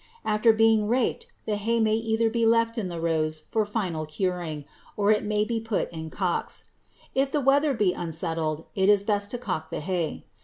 After being raked, the hay may either be left in the rows for final curing or it may be put in cocks. If the weather be unsettled, it is best to cock the hay.